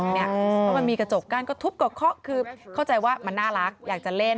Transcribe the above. เพราะมันมีกระจกกั้นก็ทุบก็เคาะคือเข้าใจว่ามันน่ารักอยากจะเล่น